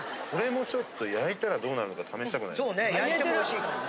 これもちょっと焼いたらどうなるのか試したくないですか？